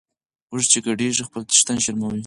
اوښ چی ګډیږي خپل څښتن شرموي .